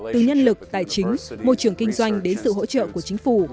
từ nhân lực tài chính môi trường kinh doanh đến sự hỗ trợ của chính phủ